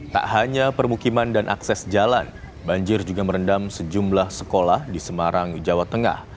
tak hanya permukiman dan akses jalan banjir juga merendam sejumlah sekolah di semarang jawa tengah